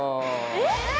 えっ？